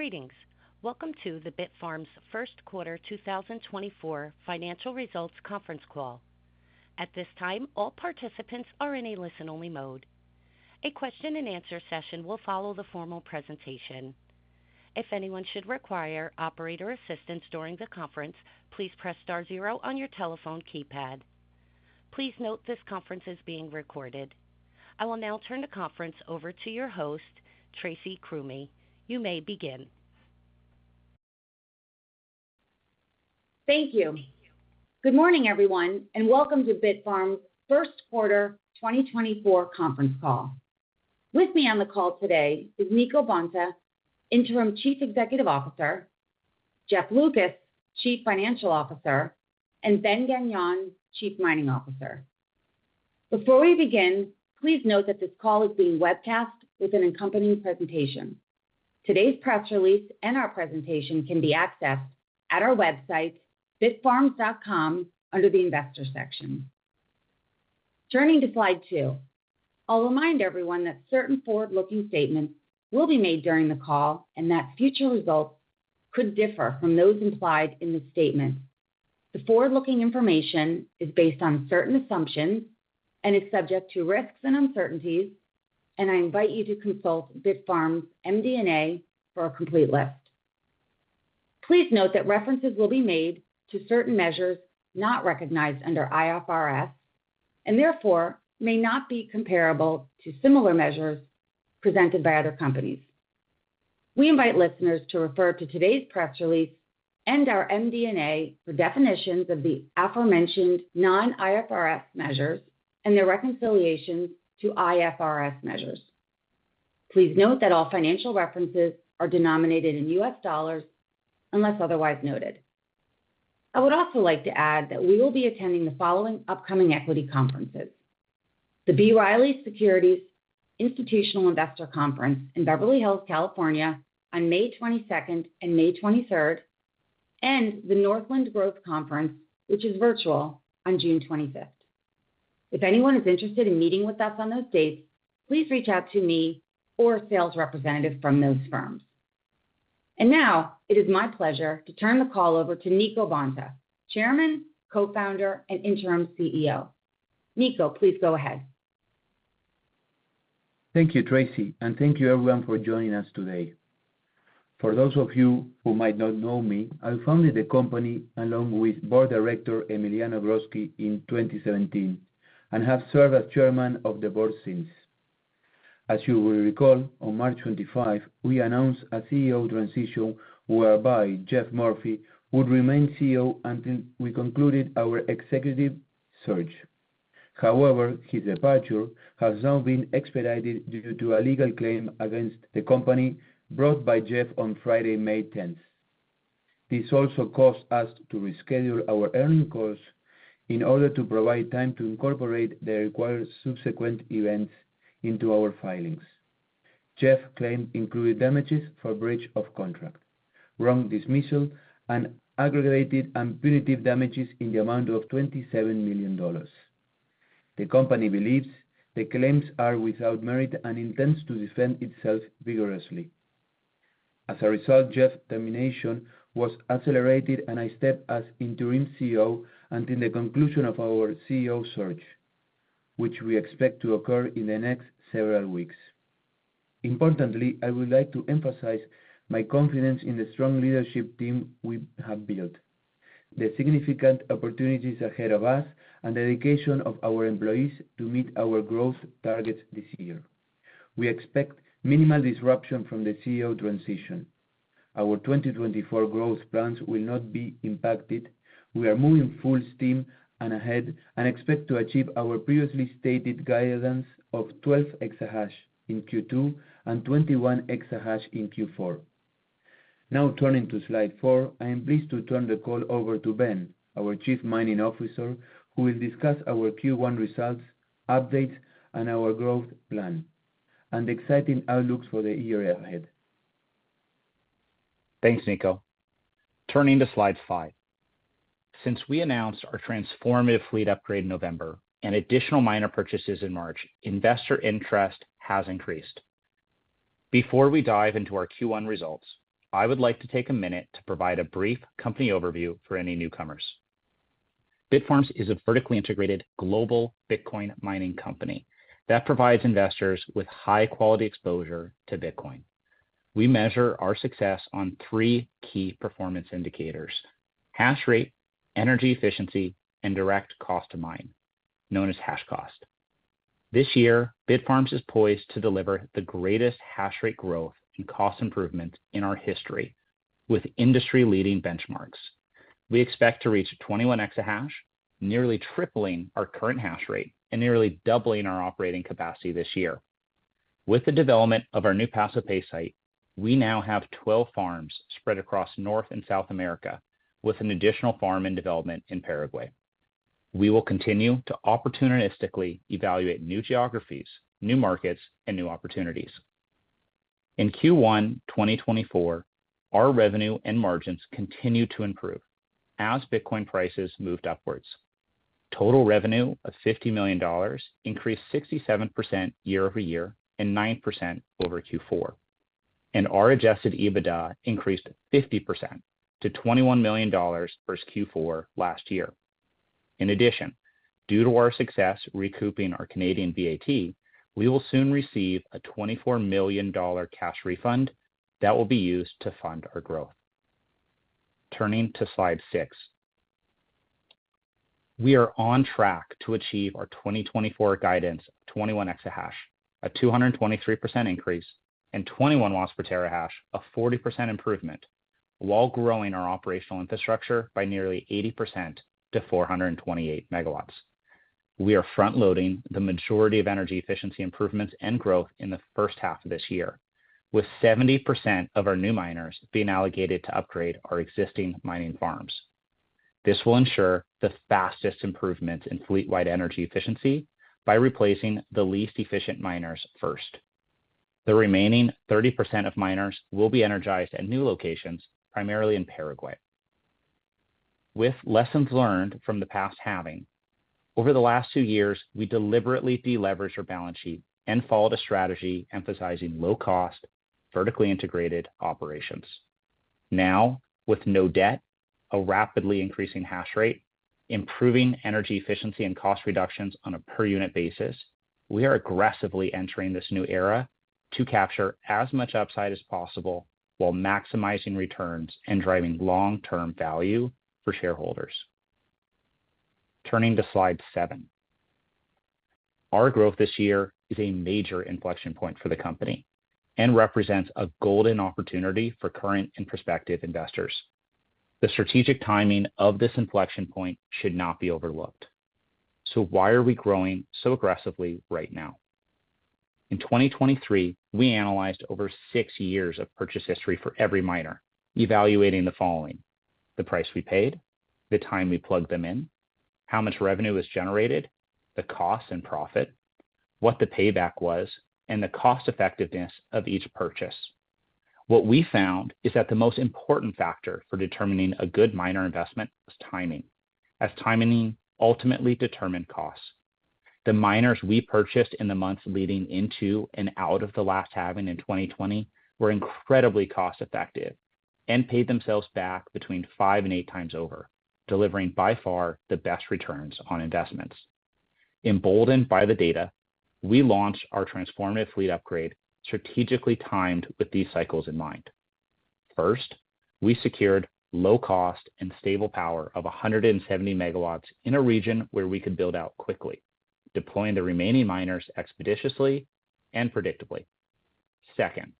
Greetings. Welcome to the Bitfarms' first quarter 2024 financial results conference call. At this time, all participants are in a listen-only mode. A question and answer session will follow the formal presentation. If anyone should require operator assistance during the conference, please press star zero on your telephone keypad. Please note this conference is being recorded. I will now turn the conference over to your host, Tracy Krumme. You may begin. Thank you. Good morning, everyone, and welcome to Bitfarms' first quarter 2024 conference call. With me on the call today is Nicolas Bonta, Interim Chief Executive Officer, Jeff Lucas, Chief Financial Officer, and Ben Gagnon, Chief Mining Officer. Before we begin, please note that this call is being webcast with an accompanying presentation. Today's press release and our presentation can be accessed at our website, bitfarms.com, under the Investor section. Turning to slide 2. I'll remind everyone that certain forward-looking statements will be made during the call, and that future results could differ from those implied in the statement. The forward-looking information is based on certain assumptions and is subject to risks and uncertainties, and I invite you to consult Bitfarms' MD&A for a complete list. Please note that references will be made to certain measures not recognized under IFRS, and therefore, may not be comparable to similar measures presented by other companies. We invite listeners to refer to today's press release and our MD&A for definitions of the aforementioned non-IFRS measures and their reconciliations to IFRS measures. Please note that all financial references are denominated in U.S. dollars unless otherwise noted. I would also like to add that we will be attending the following upcoming equity conferences: the B. Riley Securities Institutional Investor Conference in Beverly Hills, California, on May 22nd and May 23rd, and the Northland Growth Conference, which is virtual, on June 25th. If anyone is interested in meeting with us on those dates, please reach out to me or a sales representative from those firms. And now, it is my pleasure to turn the call over to Nicolas Bonta, Chairman, Co-founder, and Interim CEO. Nico, please go ahead. Thank you, Tracy, and thank you everyone for joining us today. For those of you who might not know me, I founded the company along with Board Director Emiliano Grodzki in 2017, and have served as chairman of the board since. As you will recall, on March 25, we announced a CEO transition whereby Jeff Morphy would remain CEO until we concluded our executive search. However, his departure has now been expedited due to a legal claim against the company brought by Jeff on Friday, May 10. This also caused us to reschedule our earnings calls in order to provide time to incorporate the required subsequent events into our filings. Jeff's claim included damages for breach of contract, wrongful dismissal, and aggravated and punitive damages in the amount of $27 million. The company believes the claims are without merit and intends to defend itself vigorously. As a result, Jeff's termination was accelerated, and I stepped as Interim CEO until the conclusion of our CEO search, which we expect to occur in the next several weeks. Importantly, I would like to emphasize my confidence in the strong leadership team we have built, the significant opportunities ahead of us, and the dedication of our employees to meet our growth targets this year. We expect minimal disruption from the CEO transition. Our 2024 growth plans will not be impacted. We are moving full steam and ahead and expect to achieve our previously stated guidance of 12 exahash in Q2 and 21 exahash in Q4. Now, turning to slide 4. I am pleased to turn the call over to Ben, our Chief Mining Officer, who will discuss our Q1 results, updates, and our growth plan, and exciting outlooks for the year ahead. Thanks, Nico. Turning to slide 5. Since we announced our transformative fleet upgrade in November and additional miner purchases in March, investor interest has increased. Before we dive into our Q1 results, I would like to take a minute to provide a brief company overview for any newcomers. Bitfarms is a vertically integrated global Bitcoin mining company that provides investors with high-quality exposure to Bitcoin. We measure our success on three key performance indicators: hash rate, energy efficiency, and direct cost to mine, known as hash cost. This year, Bitfarms is poised to deliver the greatest hash rate growth and cost improvement in our history, with industry-leading benchmarks. We expect to reach 21 exahash, nearly tripling our current hash rate and nearly doubling our operating capacity this year. With the development of our new Paso Pe site, we now have 12 farms spread across North and South America, with an additional farm in development in Paraguay. We will continue to opportunistically evaluate new geographies, new markets, and new opportunities. In Q1 2024, our revenue and margins continued to improve as Bitcoin prices moved upwards. Total revenue of $50 million increased 67% year-over-year and 9% over Q4, and our Adjusted EBITDA increased 50% to $21 million versus Q4 last year. In addition, due to our success recouping our Canadian VAT, we will soon receive a $24 million cash refund that will be used to fund our growth. Turning to slide 6. We are on track to achieve our 2024 guidance, 21 exahash, a 223% increase, and 21 watts per terahash, a 40% improvement, while growing our operational infrastructure by nearly 80% to 428 MW. We are front-loading the majority of energy efficiency improvements and growth in the first half of this year, with 70% of our new miners being allocated to upgrade our existing mining farms. This will ensure the fastest improvements in fleet-wide energy efficiency by replacing the least efficient miners first. The remaining 30% of miners will be energized at new locations, primarily in Paraguay. With lessons learned from the past halving, over the last 2 years, we deliberately deleveraged our balance sheet and followed a strategy emphasizing low cost, vertically integrated operations. Now, with no debt, a rapidly increasing hash rate, improving energy efficiency and cost reductions on a per unit basis, we are aggressively entering this new era to capture as much upside as possible while maximizing returns and driving long-term value for shareholders. Turning to slide seven. Our growth this year is a major inflection point for the company and represents a golden opportunity for current and prospective investors. The strategic timing of this inflection point should not be overlooked. So why are we growing so aggressively right now? In 2023, we analyzed over six years of purchase history for every miner, evaluating the following: the price we paid, the time we plugged them in, how much revenue was generated, the cost and profit, what the payback was, and the cost effectiveness of each purchase. What we found is that the most important factor for determining a good miner investment was timing, as timing ultimately determined costs. The miners we purchased in the months leading into and out of the last halving in 2020 were incredibly cost-effective and paid themselves back between 5 and 8x over, delivering by far the best returns on investments. Emboldened by the data, we launched our transformative fleet upgrade, strategically timed with these cycles in mind. First, we secured low cost and stable power of 170 MW in a region where we could build out quickly, deploying the remaining miners expeditiously and predictably. Second,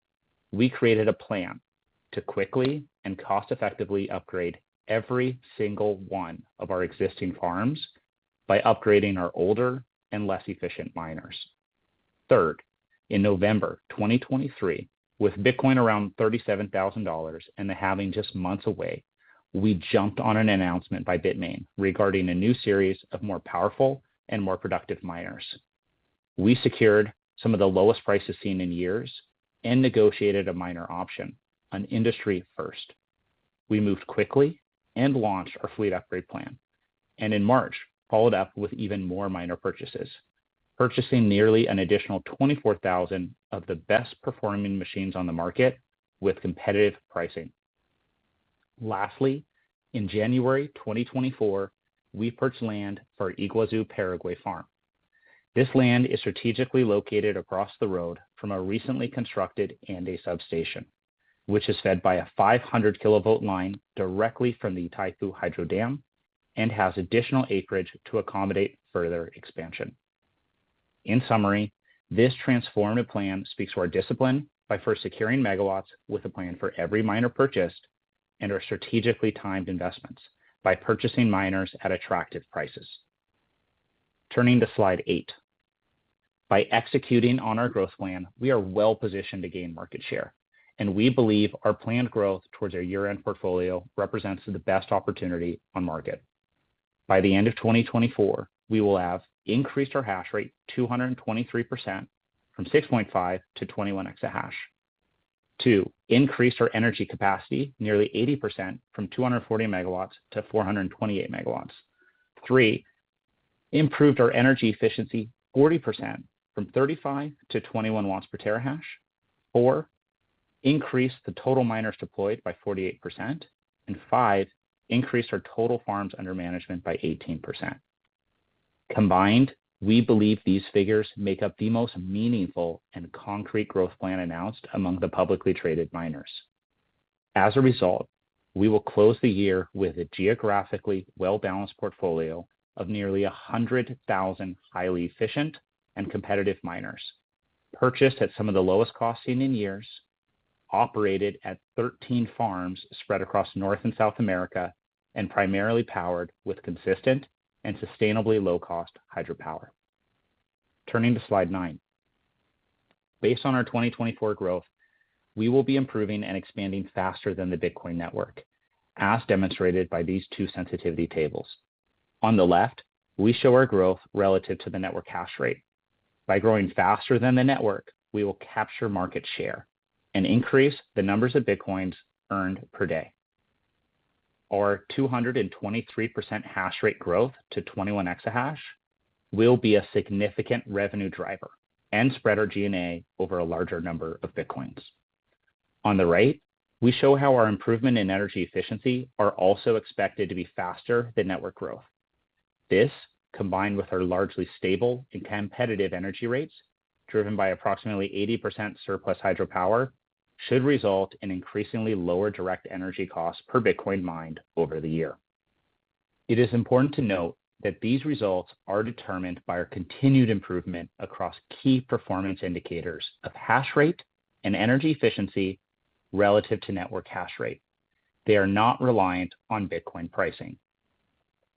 we created a plan to quickly and cost-effectively upgrade every single one of our existing farms by upgrading our older and less efficient miners. Third, in November 2023, with Bitcoin around $37,000 and the halving just months away, we jumped on an announcement by Bitmain regarding a new series of more powerful and more productive miners. We secured some of the lowest prices seen in years and negotiated a miner option, an industry first. We moved quickly and launched our fleet upgrade plan, and in March, followed up with even more miner purchases, purchasing nearly an additional 24,000 of the best-performing machines on the market with competitive pricing. Lastly, in January 2024, we purchased land for our Yguazu, Paraguay farm. This land is strategically located across the road from a recently constructed substation, which is fed by a 500 kV line directly from the Itaipu Dam and has additional acreage to accommodate further expansion. In summary, this transformative plan speaks to our discipline by first securing MW with a plan for every miner purchased and our strategically timed investments by purchasing miners at attractive prices. Turning to slide 8. By executing on our growth plan, we are well positioned to gain market share, and we believe our planned growth towards our year-end portfolio represents the best opportunity on market. By the end of 2024, we will have increased our hash rate 223% from 6.5 to 21 exahash. Two, increased our energy capacity nearly 80% from 240 MW to 428 MW. Three, improved our energy efficiency 40% from 35 to 21 watts per terahash. Four, increased the total miners deployed by 48%. And five, increased our total farms under management by 18%. Combined, we believe these figures make up the most meaningful and concrete growth plan announced among the publicly traded miners. As a result, we will close the year with a geographically well-balanced portfolio of nearly 100,000 highly efficient and competitive miners, purchased at some of the lowest costs seen in years, operated at 13 farms spread across North and South America, and primarily powered with consistent and sustainably low-cost hydropower. Turning to slide 9. Based on our 2024 growth, we will be improving and expanding faster than the Bitcoin network, as demonstrated by these two sensitivity tables. On the left, we show our growth relative to the network hash rate.... By growing faster than the network, we will capture market share and increase the numbers of Bitcoins earned per day. Our 223% hash rate growth to 21 Exahash will be a significant revenue driver and spread our G&A over a larger number of Bitcoins. On the right, we show how our improvement in energy efficiency are also expected to be faster than network growth. This, combined with our largely stable and competitive energy rates, driven by approximately 80% surplus hydropower, should result in increasingly lower direct energy costs per Bitcoin mined over the year. It is important to note that these results are determined by our continued improvement across key performance indicators of hash rate and energy efficiency relative to network hash rate. They are not reliant on Bitcoin pricing.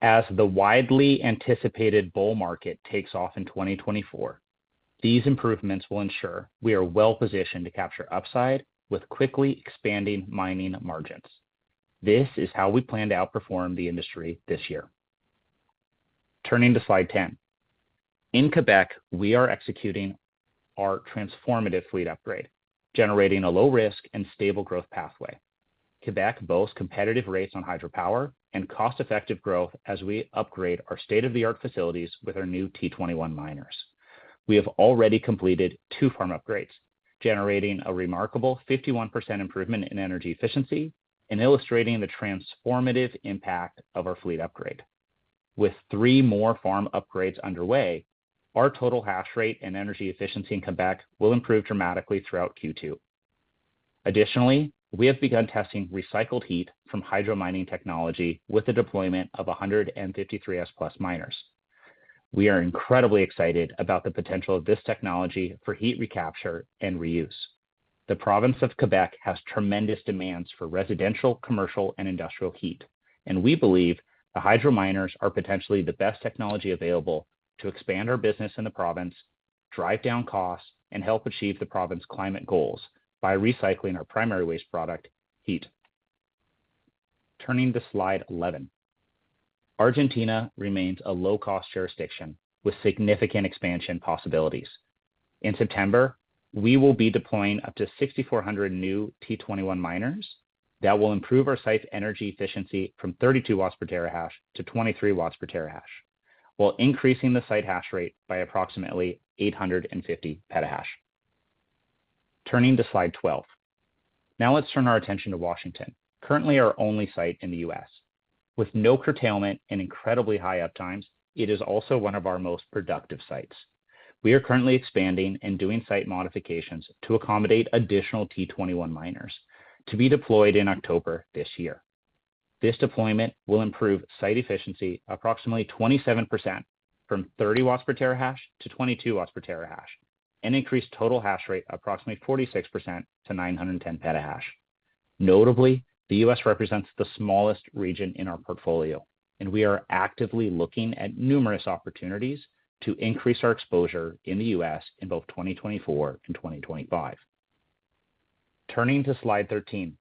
As the widely anticipated bull market takes off in 2024, these improvements will ensure we are well-positioned to capture upside with quickly expanding mining margins. This is how we plan to outperform the industry this year. Turning to slide 10. In Quebec, we are executing our transformative fleet upgrade, generating a low risk and stable growth pathway. Quebec boasts competitive rates on hydropower and cost-effective growth as we upgrade our state-of-the-art facilities with our new T21 miners. We have already completed 2 farm upgrades, generating a remarkable 51% improvement in energy efficiency and illustrating the transformative impact of our fleet upgrade. With 3 more farm upgrades underway, our total hash rate and energy efficiency in Quebec will improve dramatically throughout Q2. Additionally, we have begun testing recycled heat from hydro mining technology with the deployment of 153 S plus miners. We are incredibly excited about the potential of this technology for heat recapture and reuse. The province of Quebec has tremendous demands for residential, commercial, and industrial heat, and we believe the hydro miners are potentially the best technology available to expand our business in the province, drive down costs, and help achieve the province's climate goals by recycling our primary waste product, heat. Turning to slide 11. Argentina remains a low-cost jurisdiction with significant expansion possibilities. In September, we will be deploying up to 6,400 new T21 miners that will improve our site's energy efficiency from 32 watts per terahash to 23 watts per terahash, while increasing the site hash rate by approximately 850 petahash. Turning to slide 12. Now let's turn our attention to Washington, currently our only site in the U.S. With no curtailment and incredibly high uptimes, it is also one of our most productive sites. We are currently expanding and doing site modifications to accommodate additional T21 miners to be deployed in October this year. This deployment will improve site efficiency approximately 27% from 30 W/TH to 22 W/TH, and increase total hash rate approximately 46% to 910 petahash. Notably, the US represents the smallest region in our portfolio, and we are actively looking at numerous opportunities to increase our exposure in the US in both 2024 and 2025. Turning to slide 13.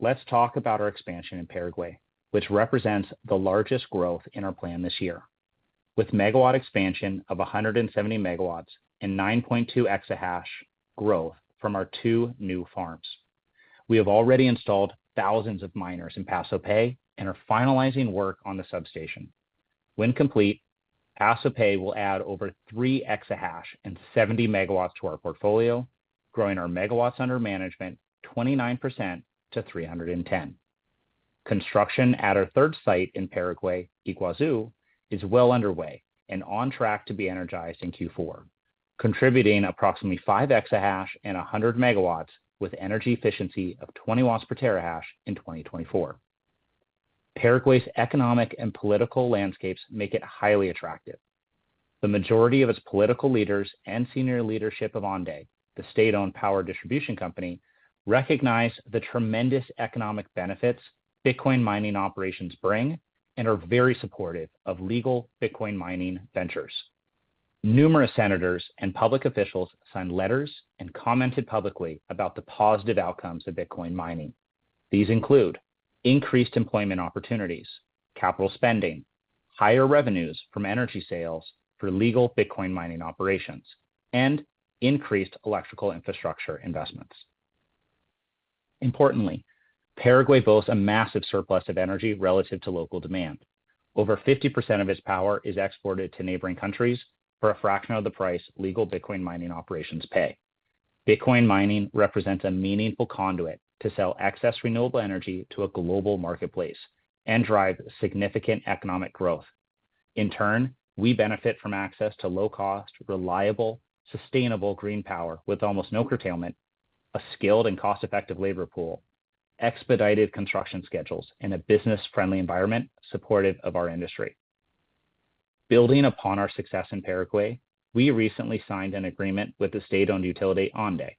Let's talk about our expansion in Paraguay, which represents the largest growth in our plan this year, with MW expansion of 170 MW and 9.2 exahash growth from our two new farms. We have already installed thousands of miners in Paso Pe and are finalizing work on the substation. When complete, Paso Pe will add over 3 exahash and 70 MW to our portfolio, growing our MW under management 29% to 310. Construction at our third site in Paraguay, Yguazu, is well underway and on track to be energized in Q4, contributing approximately 5 exahash and 100 MW with energy efficiency of 20 W/TH in 2024. Paraguay's economic and political landscapes make it highly attractive. The majority of its political leaders and senior leadership of ANDE, the state-owned power distribution company, recognize the tremendous economic benefits Bitcoin mining operations bring and are very supportive of legal Bitcoin mining ventures. Numerous senators and public officials signed letters and commented publicly about the positive outcomes of Bitcoin mining. These include increased employment opportunities, capital spending, higher revenues from energy sales for legal Bitcoin mining operations, and increased electrical infrastructure investments. Importantly, Paraguay boasts a massive surplus of energy relative to local demand. Over 50% of its power is exported to neighboring countries for a fraction of the price legal Bitcoin mining operations pay. Bitcoin mining represents a meaningful conduit to sell excess renewable energy to a global marketplace and drive significant economic growth. In turn, we benefit from access to low-cost, reliable, sustainable green power with almost no curtailment, a skilled and cost-effective labor pool, expedited construction schedules, and a business-friendly environment supportive of our industry. Building upon our success in Paraguay, we recently signed an agreement with the state-owned utility, ANDE,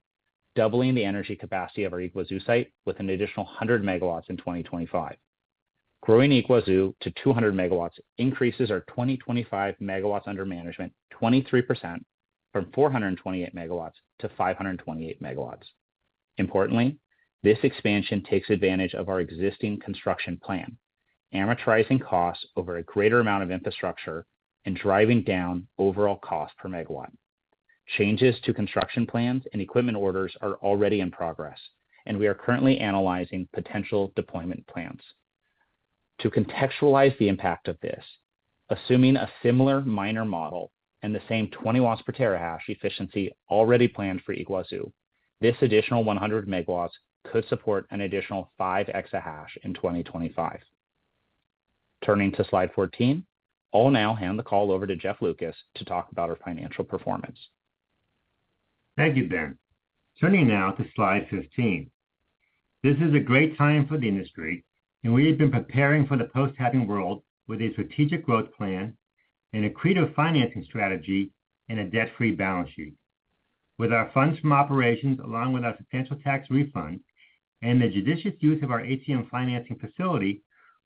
doubling the energy capacity of our Yguazu site with an additional 100 MW in 2025. Growing Yguazu to 200 MW increases our 2025 MW under management 23% from 428 MW to 528 MW.... Importantly, this expansion takes advantage of our existing construction plan, amortizing costs over a greater amount of infrastructure and driving down overall cost per MW. Changes to construction plans and equipment orders are already in progress, and we are currently analyzing potential deployment plans. To contextualize the impact of this, assuming a similar miner model and the same 20 W/TH efficiency already planned for Yguazu, this additional 100 MW could support an additional 5 exahash in 2025. Turning to Slide 14, I'll now hand the call over to Jeff Lucas to talk about our financial performance. Thank you, Ben. Turning now to Slide 15. This is a great time for the industry, and we have been preparing for the post-halving world with a strategic growth plan and accretive financing strategy, and a debt-free balance sheet. With our funds from operations, along with our substantial tax refund and the judicious use of our ATM financing facility,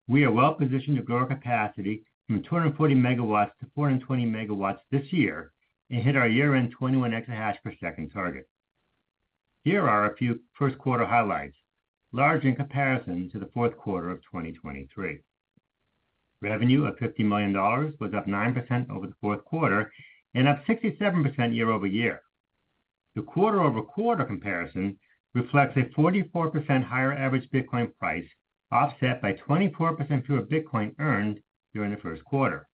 we are well positioned to grow our capacity from 240 MW to 420 MW this year and hit our year-end 21 exahash per second target. Here are a few first quarter highlights, large in comparison to the fourth quarter of 2023. Revenue of $50 million was up 9% over the fourth quarter and up 67% year-over-year. The quarter-over-quarter comparison reflects a 44% higher average Bitcoin price, offset by 24% fewer Bitcoin earned during the first quarter.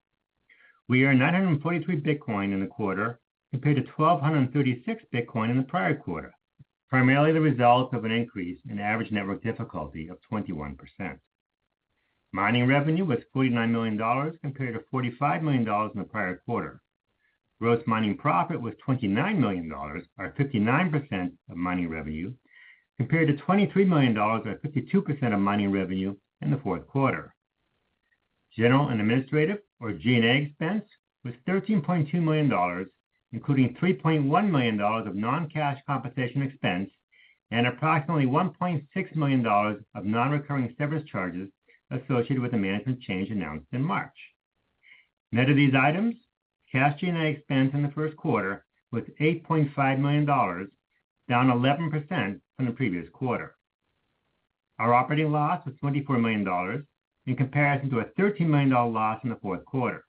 We earned 943 Bitcoin in the quarter, compared to 1,236 Bitcoin in the prior quarter, primarily the result of an increase in average network difficulty of 21%. Mining revenue was $49 million, compared to $45 million in the prior quarter. Gross mining profit was $29 million, or 59% of mining revenue, compared to $23 million, or 52% of mining revenue, in the fourth quarter. General and administrative, or G&A expense, was $13.2 million, including $3.1 million of non-cash compensation expense and approximately $1.6 million of non-recurring severance charges associated with the management change announced in March. Net of these items, cash G&A expense in the first quarter was $8.5 million, down 11% from the previous quarter. Our operating loss was $24 million in comparison to a $13 million loss in the fourth quarter.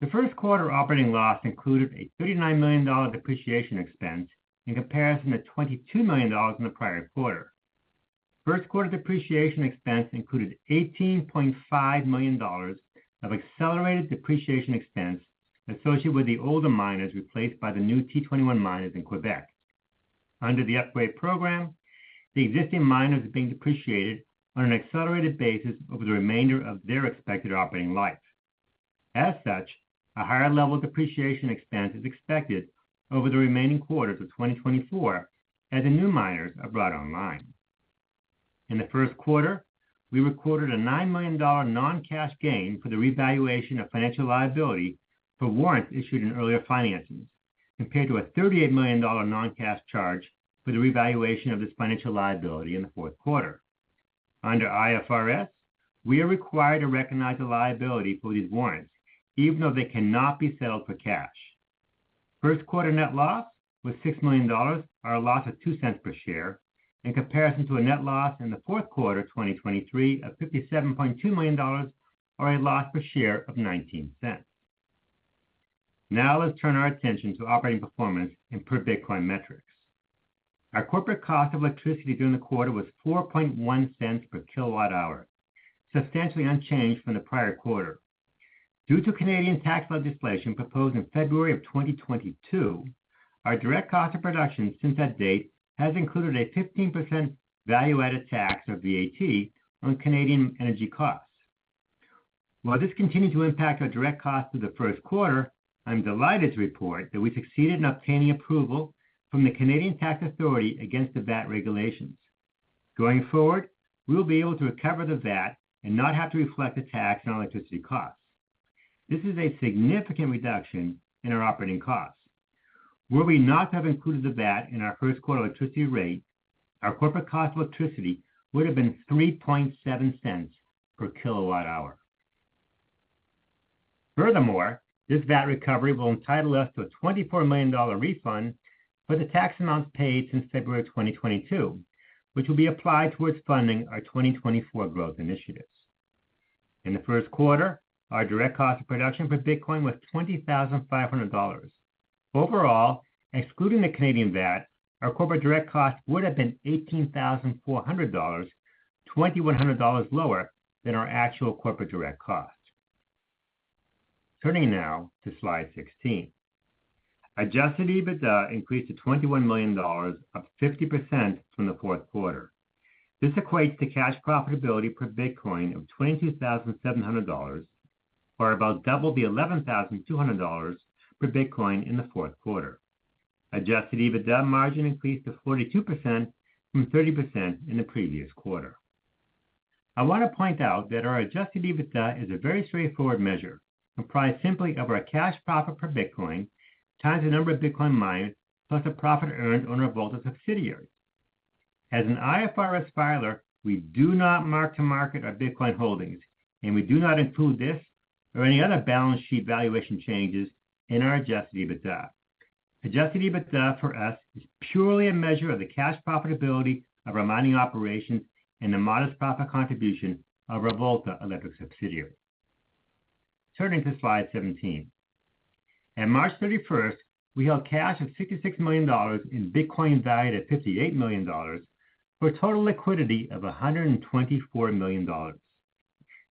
The first quarter operating loss included a $39 million depreciation expense in comparison to $22 million in the prior quarter. First quarter depreciation expense included $18.5 million of accelerated depreciation expense associated with the older miners replaced by the new T21 miners in Quebec. Under the upgrade program, the existing miners are being depreciated on an accelerated basis over the remainder of their expected operating life. As such, a higher level of depreciation expense is expected over the remaining quarters of 2024 as the new miners are brought online. In the first quarter, we recorded a $9 million non-cash gain for the revaluation of financial liability for warrants issued in earlier financings, compared to a $38 million non-cash charge for the revaluation of this financial liability in the fourth quarter. Under IFRS, we are required to recognize a liability for these warrants, even though they cannot be settled for cash. First quarter net loss was $6 million, or a loss of $0.02 per share, in comparison to a net loss in the fourth quarter of 2023 of $57.2 million, or a loss per share of $0.19. Now, let's turn our attention to operating performance and per Bitcoin metrics. Our corporate cost of electricity during the quarter was $0.041 per kWh, substantially unchanged from the prior quarter. Due to Canadian tax legislation proposed in February of 2022, our direct cost of production since that date has included a 15% value-added tax, or VAT, on Canadian energy costs. While this continued to impact our direct cost for the first quarter, I'm delighted to report that we succeeded in obtaining approval from the Canadian Tax Authority against the VAT regulations. Going forward, we will be able to recover the VAT and not have to reflect the tax on electricity costs. This is a significant reduction in our operating costs. Were we not to have included the VAT in our first quarter electricity rate, our corporate cost of electricity would have been $0.037 per kWh. Furthermore, this VAT recovery will entitle us to a $24 million refund for the tax amounts paid since February 2022, which will be applied towards funding our 2024 growth initiatives. In the first quarter, our direct cost of production for Bitcoin was $20,500. Overall, excluding the Canadian VAT, our corporate direct cost would have been $18,400, $2,100 lower than our actual corporate direct cost. Turning now to Slide 16. Adjusted EBITDA increased to $21 million, up 50% from the fourth quarter. This equates to cash profitability per Bitcoin of $22,700, or about double the $11,200 per Bitcoin in the fourth quarter. Adjusted EBITDA margin increased to 42% from 30% in the previous quarter. I want to point out that our Adjusted EBITDA is a very straightforward measure, comprised simply of our cash profit per Bitcoin, times the number of Bitcoin miners, plus the profit earned on our Volta subsidiaries. As an IFRS filer, we do not mark to market our Bitcoin holdings, and we do not include this or any other balance sheet valuation changes in our Adjusted EBITDA. Adjusted EBITDA for us is purely a measure of the cash profitability of our mining operations and the modest profit contribution of our Volta electric subsidiary. Turning to slide 17. At March 31, we held cash of $66 million in Bitcoin, valued at $58 million, for a total liquidity of $124 million.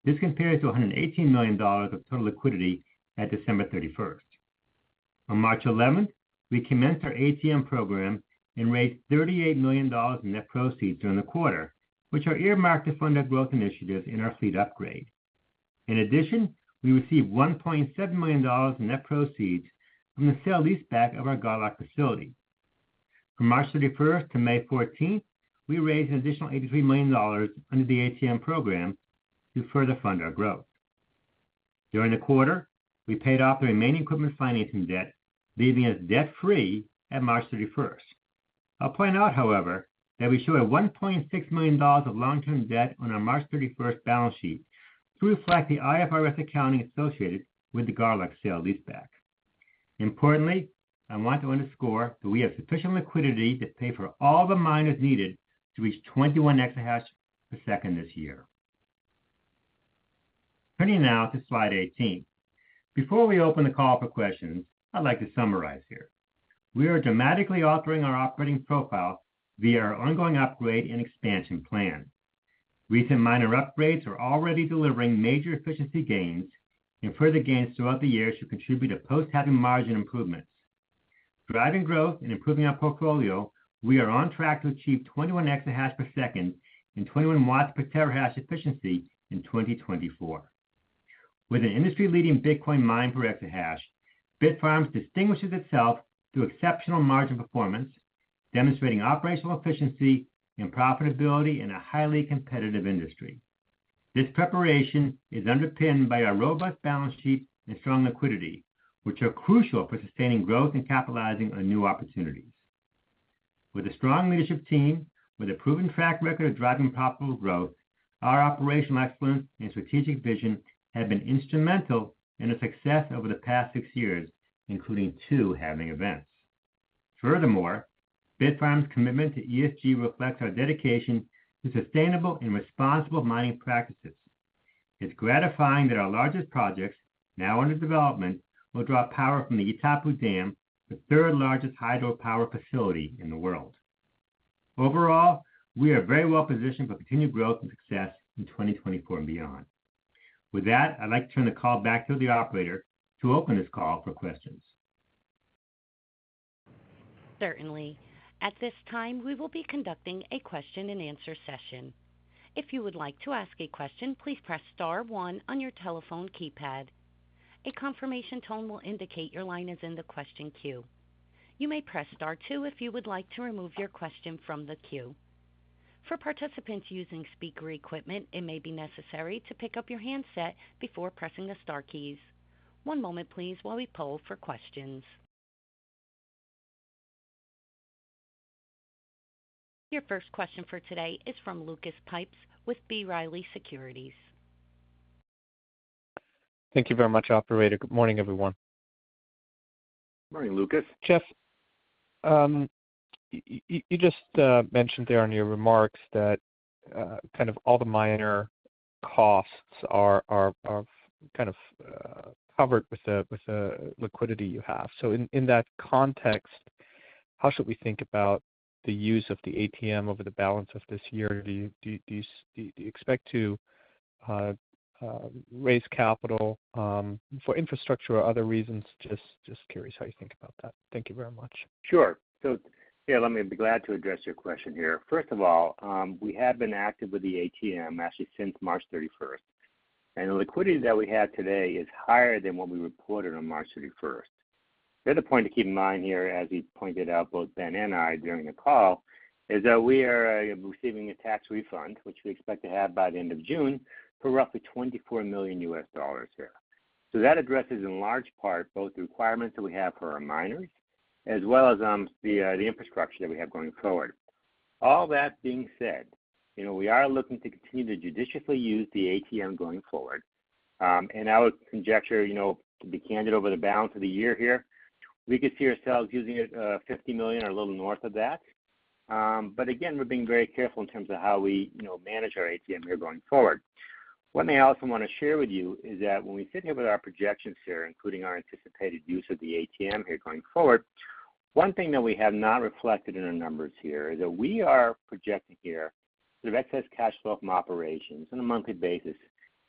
This compares to $118 million of total liquidity at December 31. On March eleventh, we commenced our ATM program and raised $38 million in net proceeds during the quarter, which are earmarked to fund our growth initiatives in our fleet upgrade. In addition, we received $1.7 million in net proceeds from the sale-leaseback of our Garlock facility. From March thirty-first to May fourteenth, we raised an additional $83 million under the ATM program to further fund our growth. During the quarter, we paid off the remaining equipment financing debt, leaving us debt-free at March thirty-first. I'll point out, however, that we show $1.6 million of long-term debt on our March thirty-first balance sheet to reflect the IFRS accounting associated with the Garlock sale-leaseback. Importantly, I want to underscore that we have sufficient liquidity to pay for all the miners needed to reach 21 exahash per second this year. Turning now to slide 18. Before we open the call for questions, I'd like to summarize here. We are dramatically altering our operating profile via our ongoing upgrade and expansion plan. Recent minor upgrades are already delivering major efficiency gains, and further gains throughout the year should contribute to post-halving margin improvements. Driving growth and improving our portfolio, we are on track to achieve 21 exahash per second and 21 watts per terahash efficiency in 2024. With an industry-leading Bitcoin mine per exahash, Bitfarms distinguishes itself through exceptional margin performance, demonstrating operational efficiency and profitability in a highly competitive industry. This preparation is underpinned by our robust balance sheet and strong liquidity, which are crucial for sustaining growth and capitalizing on new opportunities. With a strong leadership team, with a proven track record of driving profitable growth, our operational excellence and strategic vision have been instrumental in its success over the past six years, including two halving events. Furthermore, Bitfarms' commitment to ESG reflects our dedication to sustainable and responsible mining practices. It's gratifying that our largest projects, now under development, will draw power from the Itaipu Dam, the third-largest hydropower facility in the world. Overall, we are very well positioned for continued growth and success in 2024 and beyond. With that, I'd like to turn the call back to the operator to open this call for questions. Certainly. At this time, we will be conducting a question-and-answer session. If you would like to ask a question, please press star one on your telephone keypad. A confirmation tone will indicate your line is in the question queue. You may press Star two if you would like to remove your question from the queue. For participants using speaker equipment, it may be necessary to pick up your handset before pressing the star keys. One moment please while we poll for questions. Your first question for today is from Lucas Pipes with B. Riley Securities. Thank you very much, operator. Good morning, everyone. Good morning, Lucas. Jeff, you just mentioned there in your remarks that kind of all the miner costs are kind of covered with the liquidity you have. So in that context, how should we think about the use of the ATM over the balance of this year? Do you expect to raise capital for infrastructure or other reasons? Just curious how you think about that. Thank you very much. Sure. So, yeah, let me—I'd be glad to address your question here. First of all, we have been active with the ATM actually since March 31st, and the liquidity that we have today is higher than what we reported on March 31st. The other point to keep in mind here, as we pointed out, both Ben and I, during the call, is that we are receiving a tax refund, which we expect to have by the end of June, for roughly $24 million here. So that addresses, in large part, both the requirements that we have for our miners as well as the infrastructure that we have going forward. All that being said, you know, we are looking to continue to judiciously use the ATM going forward. I would conjecture, you know, to be candid, over the balance of the year here, we could see ourselves using it, $50 million or a little north of that. But again, we're being very careful in terms of how we, you know, manage our ATM here going forward. One thing I also want to share with you is that when we sit here with our projections here, including our anticipated use of the ATM here going forward, one thing that we have not reflected in our numbers here is that we are projecting here of excess cash flow from operations on a monthly basis,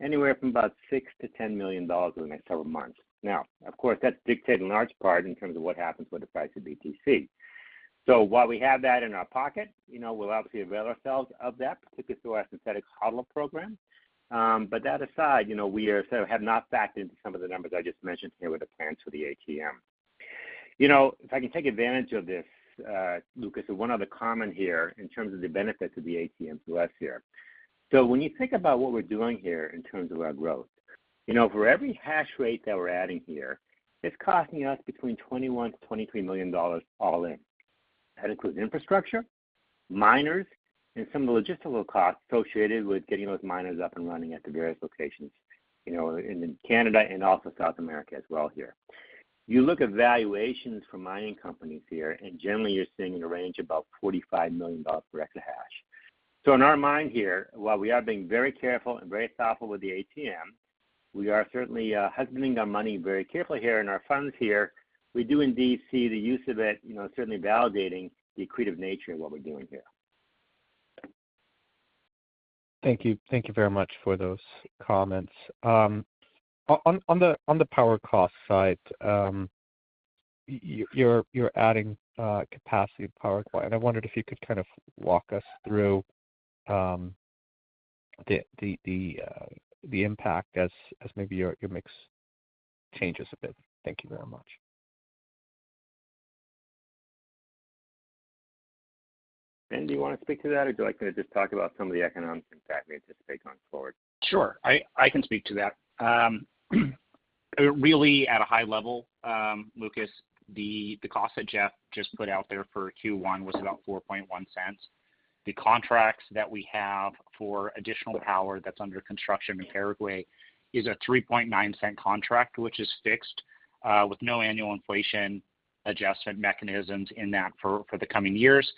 anywhere from about $6 million-$10 million over the next several months. Now, of course, that's dictated in large part in terms of what happens with the price of BTC. So while we have that in our pocket, you know, we'll obviously avail ourselves of that, particularly through our synthetic HODL program. But that aside, you know, we have not backed into some of the numbers I just mentioned here with the plans for the ATM. You know, if I can take advantage of this, Lucas, one other comment here in terms of the benefits of the ATM to us here. So when you think about what we're doing here in terms of our growth, you know, for every hash rate that we're adding here, it's costing us between $21-$23 million all in. That includes infrastructure, miners, and some of the logistical costs associated with getting those miners up and running at the various locations, you know, in Canada and also South America as well here. You look at valuations for mining companies here, and generally you're seeing in a range of about $45 million per exahash. So in our mind here, while we are being very careful and very thoughtful with the ATM, we are certainly husbanding our money very carefully here and our funds here. We do indeed see the use of it, you know, certainly validating the accretive nature of what we're doing here. Thank you. Thank you very much for those comments. On the power cost side, you're adding capacity of power, and I wondered if you could kind of walk us through the impact as maybe your mix changes a bit. Thank you very much. Do you want to speak to that, or do you like me to just talk about some of the economics impact we anticipate going forward? Sure, I can speak to that. Really at a high level, Lucas, the cost that Jeff just put out there for Q1 was about $0.041. The contracts that we have for additional power that's under construction in Paraguay is a $0.039 contract, which is fixed, with no annual inflation adjustment mechanisms in that for the coming years.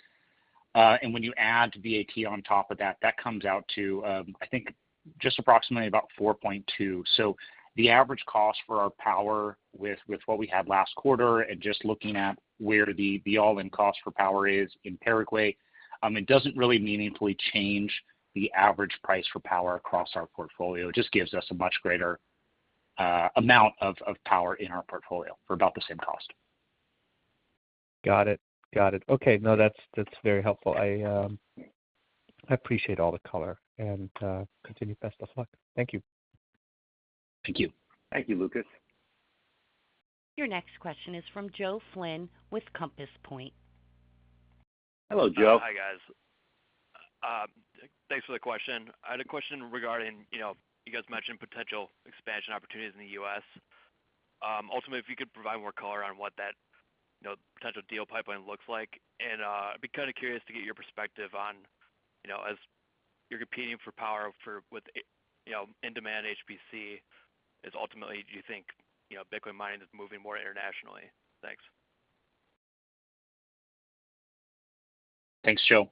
And when you add VAT on top of that, that comes out to, I think just approximately about $0.042. So the average cost for our power with what we had last quarter and just looking at where the all-in cost for power is in Paraguay, it doesn't really meaningfully change the average price for power across our portfolio. It just gives us a much greater amount of power in our portfolio for about the same cost. Got it. Got it. Okay. No, that's, that's very helpful. I, I appreciate all the color and, continued best of luck. Thank you. Thank you. Thank you, Lucas. Your next question is from Joe Flynn with Compass Point. Hello, Joe. Hi, guys. Thanks for the question. I had a question regarding, you know, you guys mentioned potential expansion opportunities in the U.S. Ultimately, if you could provide more color on what that, you know, potential deal pipeline looks like. And, I'd be kind of curious to get your perspective on, you know, as you're competing for power with, you know, in-demand HPC, is ultimately, do you think, you know, Bitcoin mining is moving more internationally? Thanks. Thanks, Joe.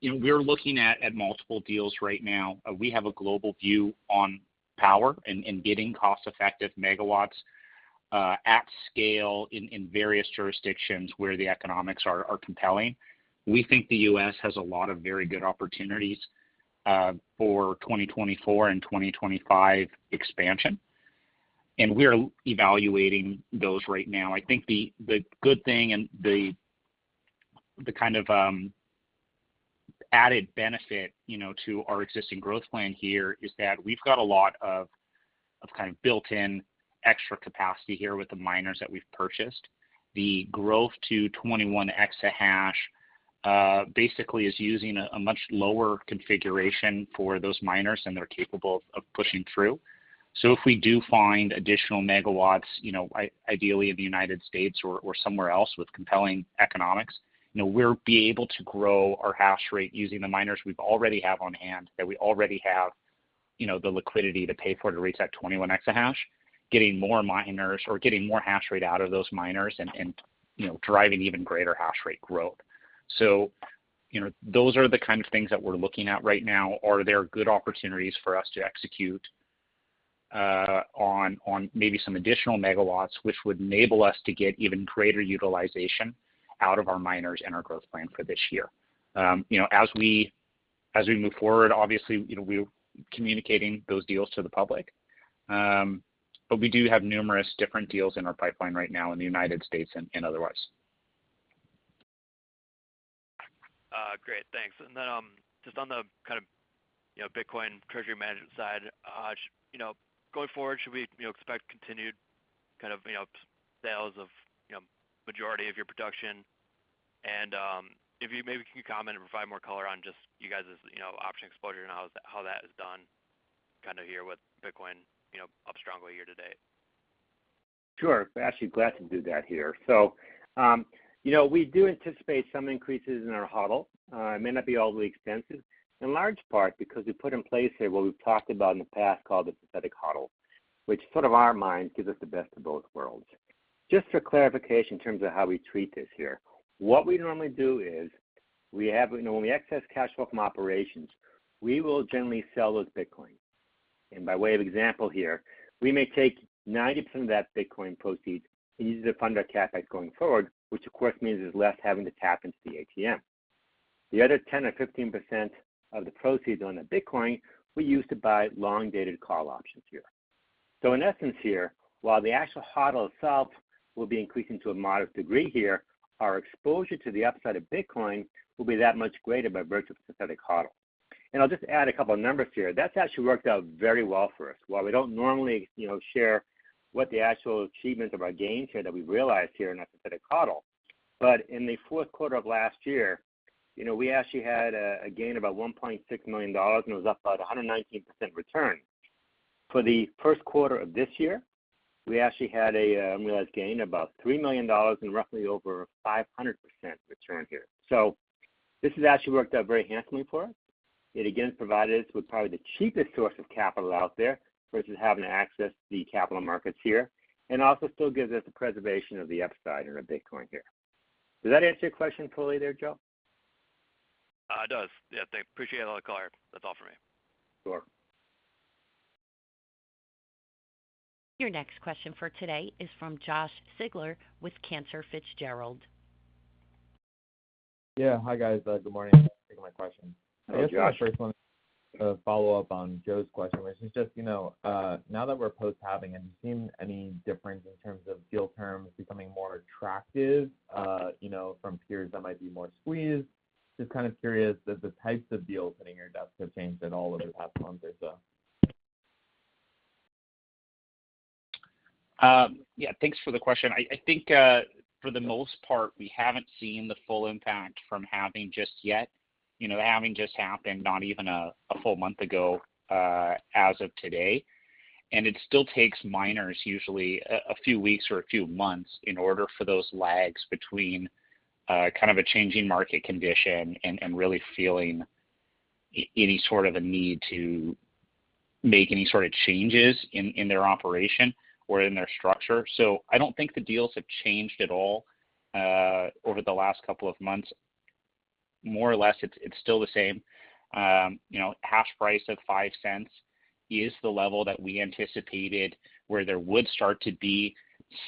You know, we're looking at multiple deals right now. We have a global view on power and getting cost-effective MW at scale in various jurisdictions where the economics are compelling. We think the U.S. has a lot of very good opportunities for 2024 and 2025 expansion, and we are evaluating those right now. I think the good thing and the kind of added benefit, you know, to our existing growth plan here is that we've got a lot of kind of built-in extra capacity here with the miners that we've purchased. The growth to 21 exahash basically is using a much lower configuration for those miners than they're capable of pushing through. So if we do find additional MW, you know, ideally in the United States or somewhere else with compelling economics, you know, we'll be able to grow our hash rate using the miners we've already have on hand, you know, the liquidity to pay for to reach that 21 exahash, getting more miners or getting more hash rate out of those miners and, you know, driving even greater hash rate growth. So, you know, those are the kind of things that we're looking at right now. Are there good opportunities for us to execute on maybe some additional MW, which would enable us to get even greater utilization out of our miners and our growth plan for this year? You know, as we move forward, obviously, you know, we're communicating those deals to the public. But we do have numerous different deals in our pipeline right now in the United States and otherwise. Great, thanks. And then, just on the kind of, you know, Bitcoin treasury management side, you know, going forward, should we, you know, expect continued kind of, you know, sales of, you know, majority of your production? And, if you maybe can comment and provide more color on just you guys', you know, option exposure and how that is done, kind of here with Bitcoin, you know, up strongly year to date. Sure. Actually, glad to do that here. So, you know, we do anticipate some increases in our HODL. It may not be all that expensive, in large part because we put in place here what we've talked about in the past, called the synthetic HODL, which sort of, in our mind, gives us the best of both worlds. Just for clarification in terms of how we treat this here, what we normally do is, we have, when we excess cash flow from operations, we will generally sell those Bitcoin. And by way of example here, we may take 90% of that Bitcoin proceeds and use it to fund our CapEx going forward, which of course, means there's less having to tap into the ATM. The other 10% or 15% of the proceeds on the Bitcoin, we use to buy long-dated call options here. So in essence here, while the actual HODL itself will be increasing to a moderate degree here, our exposure to the upside of Bitcoin will be that much greater by virtue of synthetic HODL. And I'll just add a couple of numbers here. That's actually worked out very well for us. While we don't normally, you know, share what the actual achievements of our gains here that we've realized here in that synthetic HODL, but in the fourth quarter of last year, you know, we actually had a gain of about $1.6 million, and it was up about 119% return. For the first quarter of this year, we actually had a unrealized gain of about $3 million and roughly over 500% return here. So this has actually worked out very handsomely for us. It again, provided us with probably the cheapest source of capital out there, versus having to access the capital markets here, and also still gives us the preservation of the upside in our Bitcoin here. Does that answer your question fully there, Joe? It does. Yeah, thank you. Appreciate all the color. That's all for me. Sure. Your next question for today is from Josh Sigler with Cantor Fitzgerald. Yeah. Hi, guys. Good morning. Thanks for taking my question. Hey, Josh. I first wanted to follow up on Joe's question, which is just, you know, now that we're post-halving, have you seen any difference in terms of deal terms becoming more attractive, you know, from peers that might be more squeezed? Just kind of curious, does the types of deals hitting your desk have changed at all over the past months or so? Yeah, thanks for the question. I think, for the most part, we haven't seen the full impact from halving just yet. You know, the halving just happened not even a full month ago, as of today, and it still takes miners usually a few weeks or a few months in order for those lags between kind of a changing market condition and really feeling any sort of a need to make any sort of changes in their operation or in their structure. So I don't think the deals have changed at all, over the last couple of months. More or less, it's still the same. You know, hash price of $0.05 is the level that we anticipated where there would start to be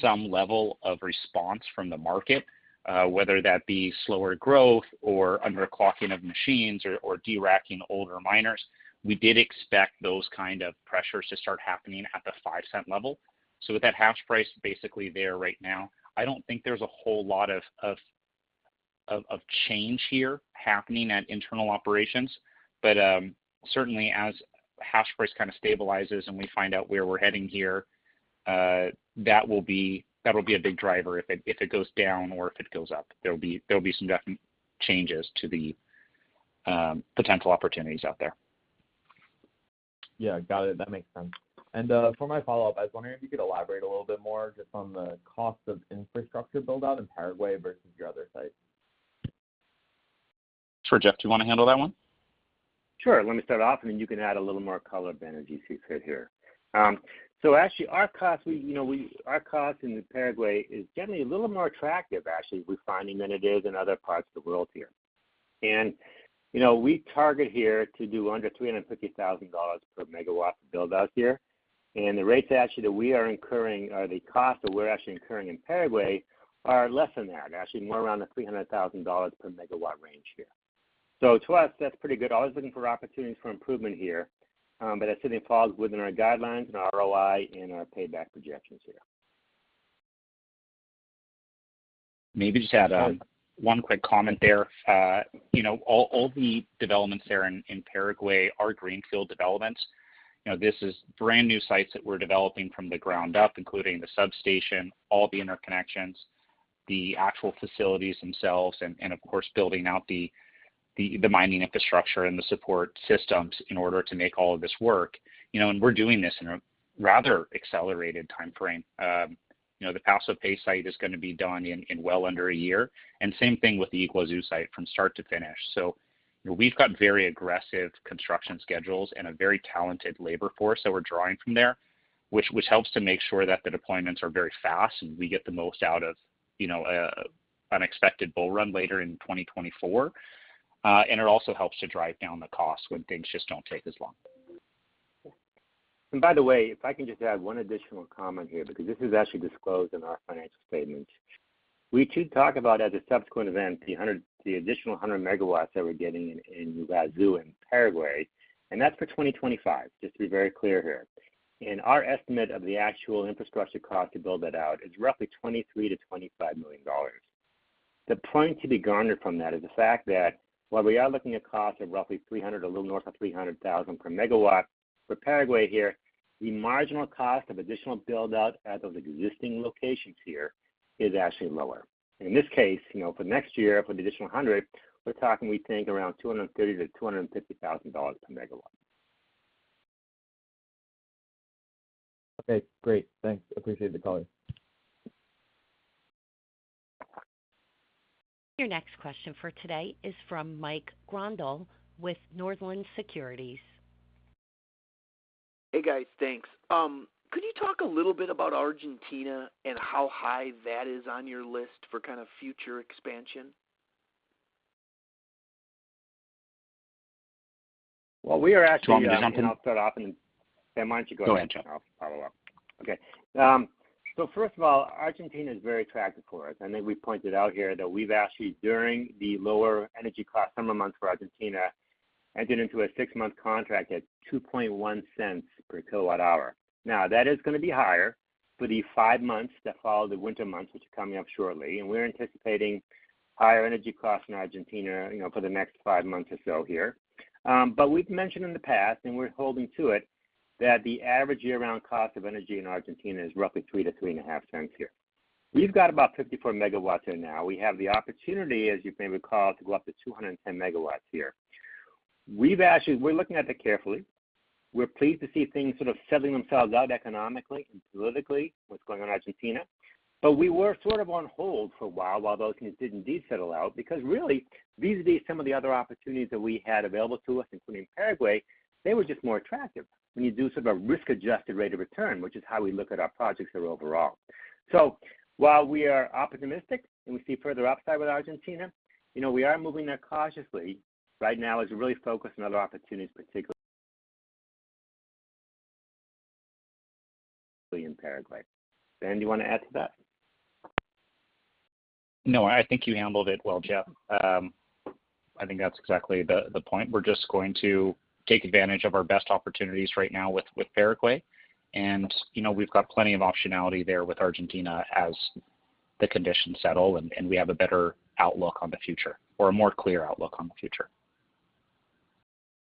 some level of response from the market, whether that be slower growth or underclocking of machines or deracking older miners. We did expect those kind of pressures to start happening at the $0.05 level. So with that hash price basically there right now, I don't think there's a whole lot of change here happening at internal operations. But, certainly as hash price kind of stabilizes and we find out where we're heading here, that will be... that'll be a big driver if it goes down or if it goes up, there'll be some definite changes to the potential opportunities out there. Yeah, got it. That makes sense. And, for my follow-up, I was wondering if you could elaborate a little bit more just on the cost of infrastructure build-out in Paraguay versus your other sites? Sure. Jeff, do you want to handle that one? Sure, let me start off, and then you can add a little more color, Ben, as you see fit here. So actually our costs, we, you know, we, our costs in Paraguay is generally a little more attractive, actually, we're finding, than it is in other parts of the world here. You know, we target here to do under $350,000 per MW of build-out here, and the rates actually that we are incurring or the cost that we're actually incurring in Paraguay are less than that. They're actually more around the $300,000 per MW range here. So to us, that's pretty good. Always looking for opportunities for improvement here, but it certainly falls within our guidelines and our ROI and our payback projections here. Maybe just add one quick comment there. You know, all the developments there in Paraguay are greenfield developments. You know, this is brand-new sites that we're developing from the ground up, including the substation, all the interconnections, the actual facilities themselves, and of course, building out the mining infrastructure and the support systems in order to make all of this work. You know, and we're doing this in a rather accelerated timeframe. You know, the Paso Pe site is gonna be done in well under a year, and same thing with the Yguazu site from start to finish. So, you know, we've got very aggressive construction schedules and a very talented labor force that we're drawing from there, which helps to make sure that the deployments are very fast, and we get the most out of, you know, unexpected bull run later in 2024. And it also helps to drive down the costs when things just don't take as long. By the way, if I can just add one additional comment here, because this is actually disclosed in our financial statements. We too talk about, as a subsequent event, the additional 100 MW that we're getting in Yguazu in Paraguay, and that's for 2025, just to be very clear here. Our estimate of the actual infrastructure cost to build that out is roughly $23 million-$25 million. The point to be garnered from that is the fact that while we are looking at costs of roughly 300, a little north of 300 thousand per MW for Paraguay here, the marginal cost of additional build-out at those existing locations here is actually lower. In this case, you know, for next year, for the additional 100, we're talking, we think, around $230,000-$250,000 per MW. Okay, great. Thanks. Appreciate the call. Your next question for today is from Mike Grondahl with Northland Securities. Hey, guys, thanks. Could you talk a little bit about Argentina and how high that is on your list for kind of future expansion? Well, we are actually- Do you want me to jump in? I'll start off, and then why don't you go ahead? Go ahead, Jeff. I'll follow up. Okay, so first of all, Argentina is very attractive for us. I think we pointed out here that we've actually, during the lower energy cost summer months for Argentina, entered into a 6-month contract at $0.021/kWh. Now, that is gonna be higher for the 5 months that follow the winter months, which are coming up shortly, and we're anticipating higher energy costs in Argentina, you know, for the next 5 months or so here. But we've mentioned in the past, and we're holding to it, that the average year-round cost of energy in Argentina is roughly $0.03-$0.035/kWh. We've got about 54 MW there now. We have the opportunity, as you may recall, to go up to 210 MW here. We've actually-- we're looking at that carefully. We're pleased to see things sort of settling themselves out economically and politically, what's going on in Argentina. But we were sort of on hold for a while, while those things did indeed settle out, because really, vis-à-vis some of the other opportunities that we had available to us, including Paraguay, they were just more attractive when you do sort of a risk-adjusted rate of return, which is how we look at our projects there overall. So while we are optimistic and we see further upside with Argentina, you know, we are moving there cautiously. Right now is really focused on other opportunities, particularly in Paraguay. Ben, do you want to add to that? No, I think you handled it well, Jeff. I think that's exactly the point. We're just going to take advantage of our best opportunities right now with Paraguay. And, you know, we've got plenty of optionality there with Argentina as the conditions settle, and we have a better outlook on the future or a more clear outlook on the future.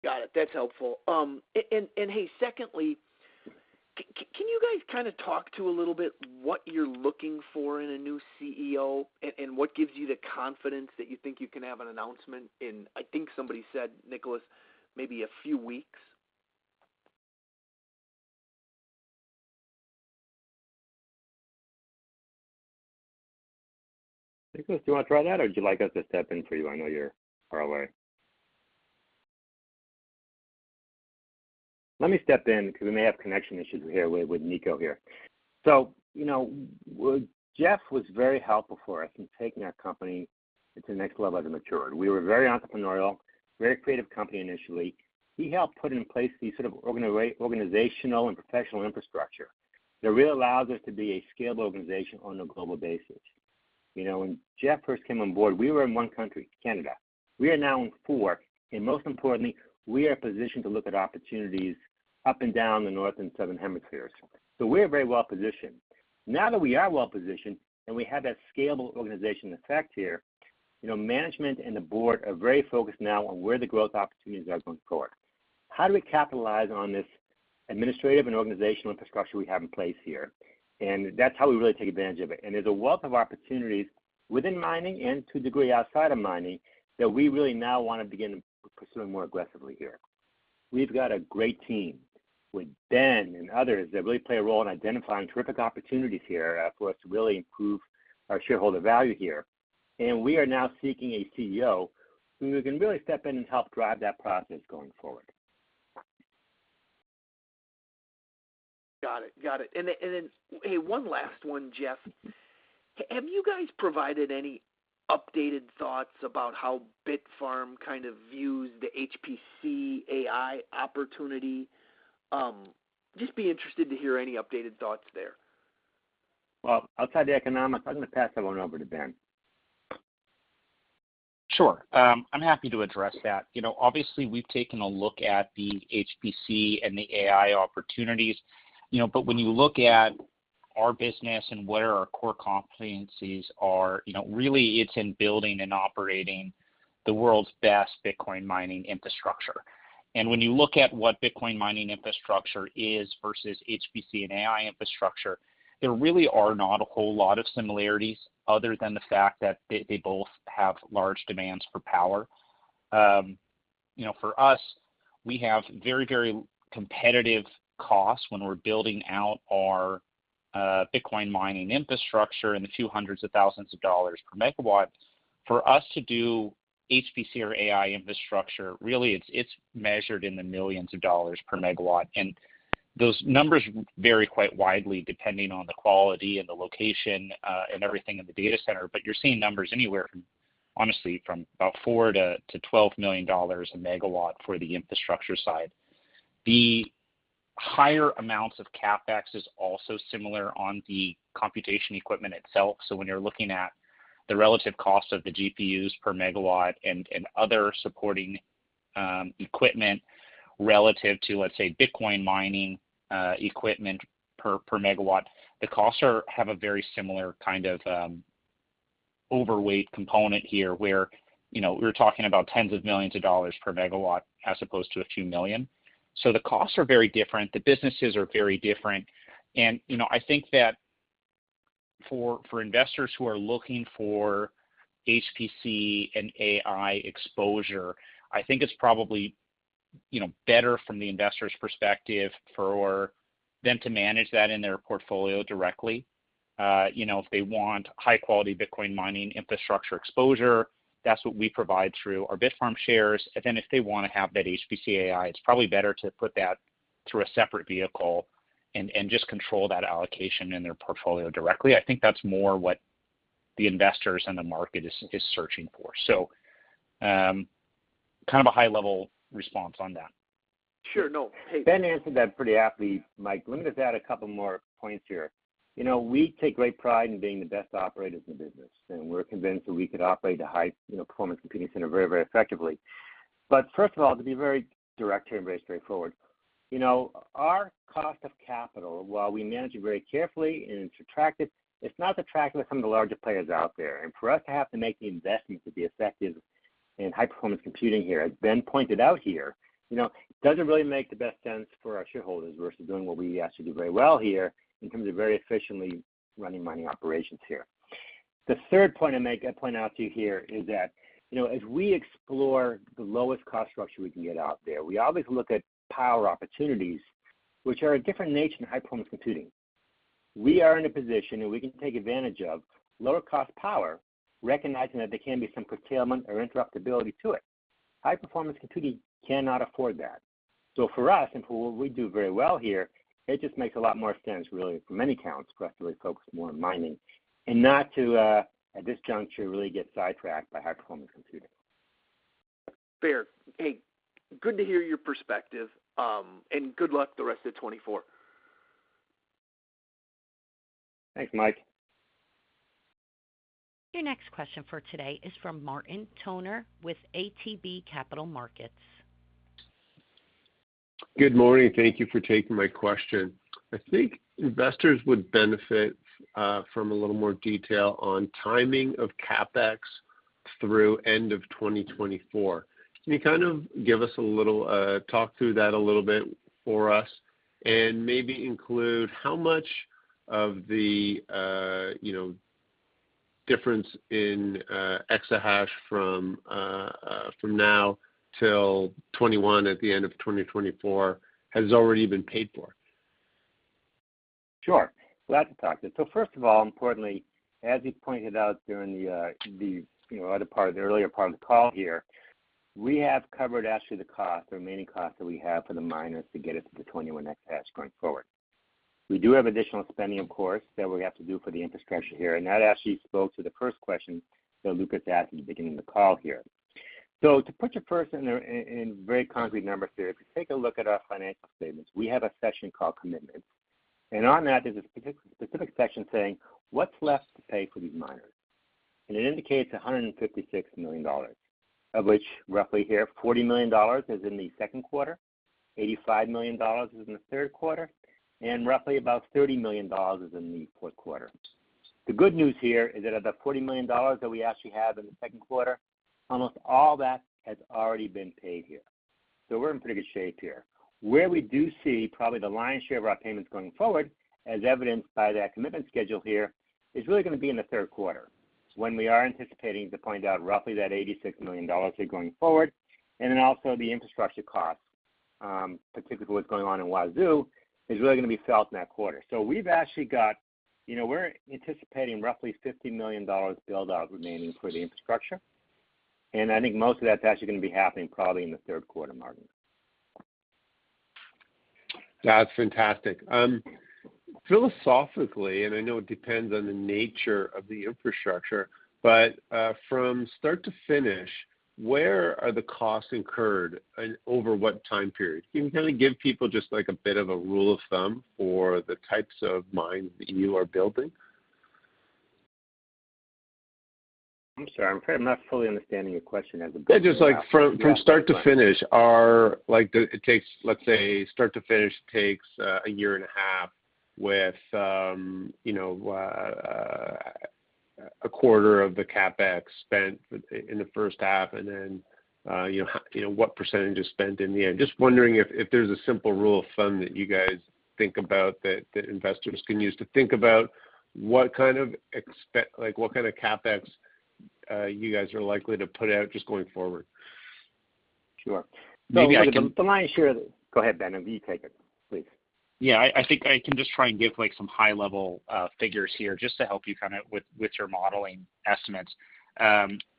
Got it. That's helpful. And hey, secondly, can you guys kinda talk to a little bit what you're looking for in a new CEO and what gives you the confidence that you think you can have an announcement in, I think somebody said, Nicolas, maybe a few weeks? Nicolas, do you want to try that, or would you like us to step in for you? I know you're far away. Let me step in because we may have connection issues here with Nico here. So you know, Jeff was very helpful for us in taking our company to the next level of maturity. We were very entrepreneurial, very creative company initially. He helped put in place the sort of organizational and professional infrastructure that really allows us to be a scalable organization on a global basis. You know, when Jeff first came on board, we were in one country, Canada. We are now in four, and most importantly, we are positioned to look at opportunities up and down the North and Southern Hemispheres. So we're very well positioned. Now that we are well positioned and we have that scalable organization effect here, you know, management and the board are very focused now on where the growth opportunities are going forward. How do we capitalize on this administrative and organizational infrastructure we have in place here? And that's how we really take advantage of it. And there's a wealth of opportunities within mining and to a degree, outside of mining, that we really now want to begin pursuing more aggressively here. We've got a great team with Ben and others that really play a role in identifying terrific opportunities here, for us to really improve our shareholder value here. And we are now seeking a CEO who can really step in and help drive that process going forward. Got it. Got it. And then, hey, one last one, Jeff. Have you guys provided any updated thoughts about how Bitfarms kind of views the HPC/AI opportunity? Just be interested to hear any updated thoughts there. Well, outside the economics, I'm going to pass that one over to Ben. Sure, I'm happy to address that. You know, obviously, we've taken a look at the HPC and the AI opportunities, you know, but when you look at our business and what our core competencies are, you know, really it's in building and operating the world's best Bitcoin mining infrastructure. And when you look at what Bitcoin mining infrastructure is versus HPC and AI infrastructure, there really are not a whole lot of similarities other than the fact that they, they both have large demands for power. You know, for us, we have very, very competitive costs when we're building out our Bitcoin mining infrastructure in the few hundreds of thousands of dollars per MW. For us to do HPC or AI infrastructure, really, it's measured in the millions of dollars per MW, and those numbers vary quite widely, depending on the quality and the location, and everything in the data center. But you're seeing numbers anywhere from, honestly, from about $4 million-$12 million a MW for the infrastructure side. The higher amounts of CapEx is also similar on the computation equipment itself. So when you're looking at the relative cost of the GPUs per MW and other supporting equipment relative to, let's say, Bitcoin mining equipment per MW, the costs are, have a very similar kind of overweight component here, where, you know, we're talking about tens of millions of dollars per MW as opposed to a few million. So the costs are very different. The businesses are very different. You know, I think that for investors who are looking for HPC and AI exposure, I think it's probably, you know, better from the investor's perspective for them to manage that in their portfolio directly. You know, if they want high-quality Bitcoin mining infrastructure exposure, that's what we provide through our Bitfarms shares. And then if they want to have that HPC/AI, it's probably better to put that through a separate vehicle and just control that allocation in their portfolio directly. I think that's more what the investors and the market is searching for. So, kind of a high-level response on that. Sure. No, hey- Ben answered that pretty aptly, Mike. Let me just add a couple more points here. You know, we take great pride in being the best operators in the business, and we're convinced that we could operate a high, you know, performance computing center very, very effectively. But first of all, to be very direct here and very straightforward, you know, our cost of capital, while we manage it very carefully and it's attractive, it's not as attractive as some of the larger players out there. And for us to have to make the investment to be effective and high-performance computing here, as Ben pointed out here, you know, it doesn't really make the best sense for our shareholders versus doing what we actually do very well here in terms of very efficiently running mining operations here. The third point I make, I point out to you here is that, you know, as we explore the lowest cost structure we can get out there, we always look at power opportunities, which are a different nature than high-performance computing. We are in a position where we can take advantage of lower-cost power, recognizing that there can be some curtailment or interruptibility to it. High-performance computing cannot afford that. So for us, and for what we do very well here, it just makes a lot more sense, really, for many counts, for us to really focus more on mining and not to, at this juncture, really get sidetracked by high-performance computing. Fair. Hey, good to hear your perspective, and good luck the rest of 2024. Thanks, Mike. Your next question for today is from Martin Toner with ATB Capital Markets. Good morning. Thank you for taking my question. I think investors would benefit from a little more detail on timing of CapEx through end of 2024. Can you kind of give us a little talk through that a little bit for us, and maybe include how much of the, you know, difference in exahash from now till 21 at the end of 2024 has already been paid for? Sure. Glad to talk to it. So first of all, importantly, as you pointed out during the, the, you know, other part, the earlier part of the call here, we have covered actually the cost, the remaining cost that we have for the miners to get us to the 21 exahash going forward. We do have additional spending, of course, that we have to do for the infrastructure here, and that actually spoke to the first question that Lucas asked at the beginning of the call here. To put you first in, in very concrete numbers here, if you take a look at our financial statements, we have a section called commitments, and on that, there's a specific section saying, "What's left to pay for these miners?" It indicates $156 million, of which roughly here, $40 million is in the second quarter, $85 million is in the third quarter, and roughly about $30 million is in the fourth quarter. The good news here is that about $40 million that we actually have in the second quarter, almost all that has already been paid here. So we're in pretty good shape here. Where we do see probably the lion's share of our payments going forward, as evidenced by that commitment schedule here, is really gonna be in the third quarter, when we are anticipating to point out roughly that $86 million here going forward, and then also the infrastructure costs, particularly what's going on in Yguazu, is really gonna be felt in that quarter. So we've actually got... You know, we're anticipating roughly $50 million build-out remaining for the infrastructure, and I think most of that's actually gonna be happening probably in the third quarter, Martin. That's fantastic. Philosophically, and I know it depends on the nature of the infrastructure, but, from start to finish, where are the costs incurred and over what time period? Can you kind of give people just, like, a bit of a rule of thumb for the types of mines that you are building? I'm sorry, I'm not fully understanding your question as- Yeah, just like from start to finish, it takes, let's say, start to finish takes a year and a half with, you know, a quarter of the CapEx spent in the first half, and then, you know, what percentage is spent in the end. Just wondering if there's a simple rule of thumb that you guys think about, that investors can use to think about what kind of—like, what kind of CapEx you guys are likely to put out just going forward. Sure. Maybe I can- The lion's share... Go ahead, Ben, and you take it, please. Yeah, I think I can just try and give, like, some high-level figures here just to help you kind of with your modeling estimates.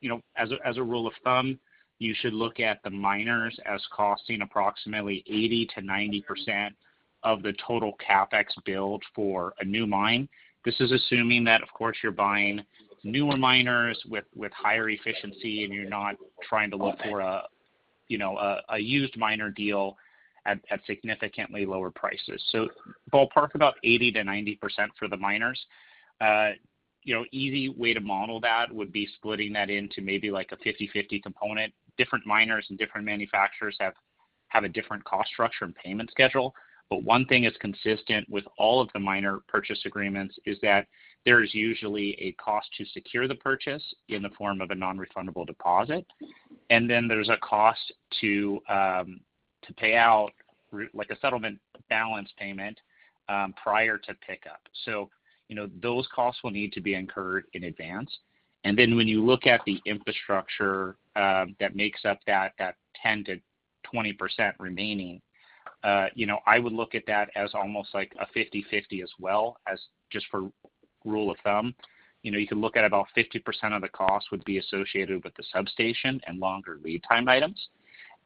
You know, as a rule of thumb, you should look at the miners as costing approximately 80%-90% of the total CapEx build for a new mine. This is assuming that, of course, you're buying newer miners with higher efficiency, and you're not trying to look for a, you know, a used miner deal at significantly lower prices. So ballpark about 80%-90% for the miners. You know, easy way to model that would be splitting that into maybe like a 50/50 component. Different miners and different manufacturers have a different cost structure and payment schedule, but one thing is consistent with all of the miner purchase agreements is that there is usually a cost to secure the purchase in the form of a non-refundable deposit, and then there's a cost to pay out, like, a settlement balance payment prior to pickup. So, you know, those costs will need to be incurred in advance. And then when you look at the infrastructure that makes up that 10%-20% remaining, you know, I would look at that as almost like a 50/50 as well just for rule of thumb. You know, you can look at about 50% of the cost would be associated with the substation and longer lead time items,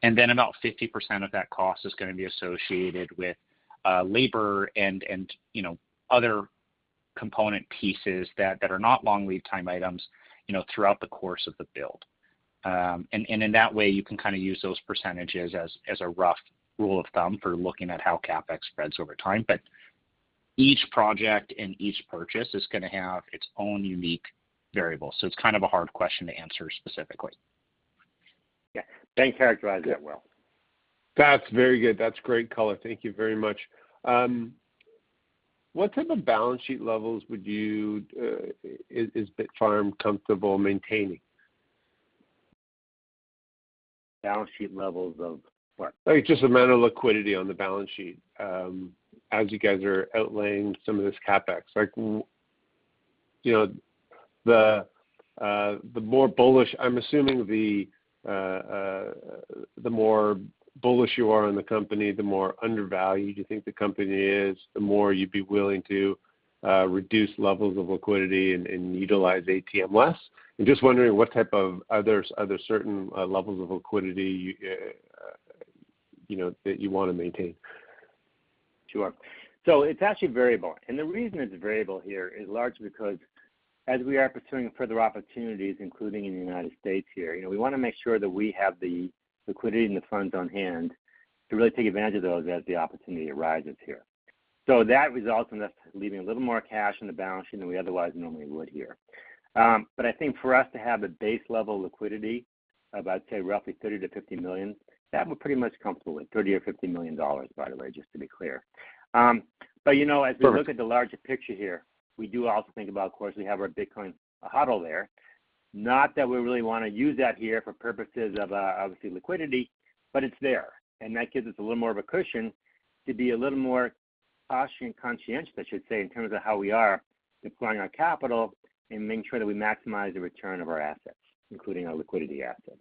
and then about 50% of that cost is gonna be associated with labor and, you know, other component pieces that are not long lead time items, you know, throughout the course of the build. In that way, you can kind of use those percentages as a rough rule of thumb for looking at how CapEx spreads over time. But each project and each purchase is gonna have its own unique variable, so it's kind of a hard question to answer specifically. Yeah. Ben characterized that well. That's very good. That's great color. Thank you very much. What type of balance sheet levels would you, is Bitfarms comfortable maintaining? Balance sheet levels of what? Like, just the amount of liquidity on the balance sheet, as you guys are outlaying some of this CapEx. Like, you know, the more bullish-I'm assuming the more bullish you are on the company, the more undervalued you think the company is, the more you'd be willing to reduce levels of liquidity and utilize ATM less. I'm just wondering what type of-are there certain levels of liquidity, you know, that you wanna maintain? Sure. So it's actually variable, and the reason it's variable here is largely because as we are pursuing further opportunities, including in the United States here, you know, we wanna make sure that we have the liquidity and the funds on hand to really take advantage of those as the opportunity arises here. So that results in us leaving a little more cash on the balance sheet than we otherwise normally would here. But I think for us to have a base level liquidity of, I'd say, roughly $30-$50 million, that we're pretty much comfortable with $30 or $50 million dollars, by the way, just to be clear. But, you know, as we look at the larger picture here, we do also think about, of course, we have our Bitcoin HODL there. Not that we really wanna use that here for purposes of, obviously liquidity, but it's there, and that gives us a little more of a cushion to be a little more cautious and conscientious, I should say, in terms of how we are deploying our capital and making sure that we maximize the return of our assets, including our liquidity assets.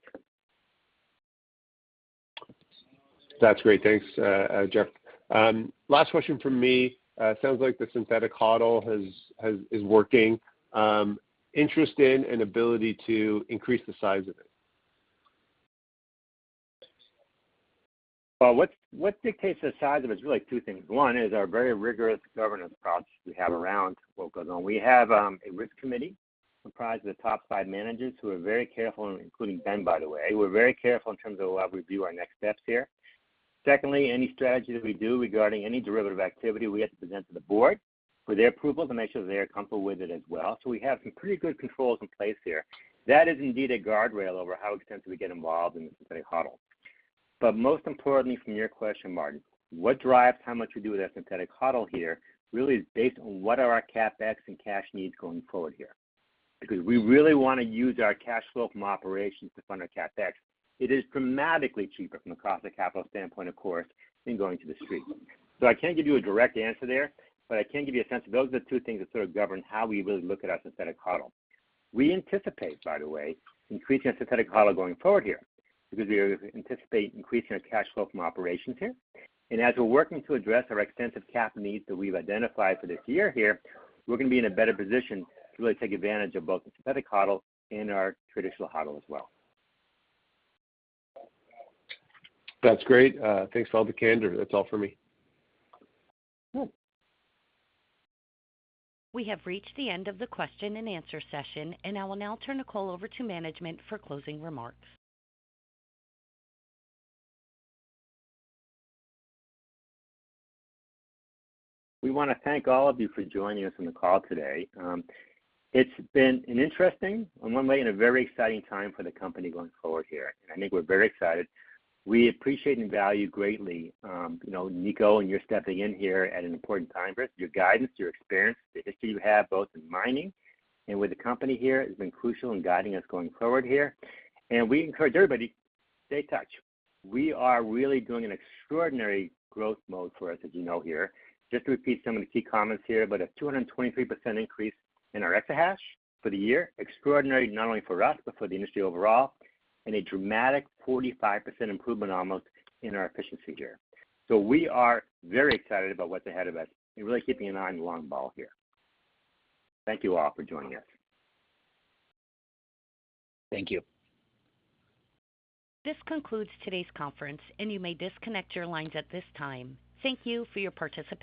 That's great. Thanks, Jeff. Last question from me. Sounds like the Synthetic HODL is working. Interest in and ability to increase the size of it? Well, what, what dictates the size of it is really two things. One is our very rigorous governance approach we have around what goes on. We have a risk committee comprised of the top five managers who are very careful, and including Ben, by the way. We're very careful in terms of how we view our next steps here. Secondly, any strategy that we do regarding any derivative activity, we have to present to the board for their approval to make sure they are comfortable with it as well. So we have some pretty good controls in place here. That is indeed a guardrail over how extensively we get involved in the synthetic HODL. But most importantly, from your question, Martin, what drives how much we do with our synthetic HODL here really is based on what are our CapEx and cash needs going forward here. Because we really wanna use our cash flow from operations to fund our CapEx. It is dramatically cheaper from a cost of capital standpoint, of course, than going to the street. So I can't give you a direct answer there, but I can give you a sense. Those are the two things that sort of govern how we really look at our synthetic HODL. We anticipate, by the way, increasing our synthetic HODL going forward here because we anticipate increasing our cash flow from operations here. And as we're working to address our extensive cap needs that we've identified for this year here, we're gonna be in a better position to really take advantage of both the synthetic HODL and our traditional HODL as well. That's great. Thanks for all the color. That's all for me. Cool. We have reached the end of the question and answer session, and I will now turn the call over to management for closing remarks. We wanna thank all of you for joining us on the call today. It's been an interesting, in one way, and a very exciting time for the company going forward here. I think we're very excited. We appreciate and value greatly, you know, Nico, and your stepping in here at an important time for us. Your guidance, your experience, the history you have, both in mining and with the company here, has been crucial in guiding us going forward here, and we encourage everybody, stay tuned. We are really doing an extraordinary growth mode for us, as you know, here. Just to repeat some of the key comments here, but a 223% increase in our exahash for the year. Extraordinary, not only for us, but for the industry overall, and a dramatic 45% improvement almost in our efficiency here. We are very excited about what's ahead of us and really keeping an eye on the long ball here. Thank you all for joining us. Thank you. This concludes today's conference, and you may disconnect your lines at this time. Thank you for your participation.